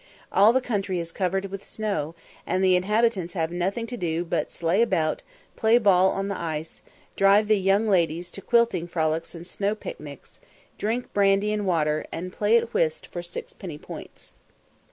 All the country is covered with snow, and the inhabitants have nothing to do but sleigh about, play ball on the ice, drive the young ladies to quilting frolics and snow picnics, drink brandy and water, and play at whist for sixpenny points.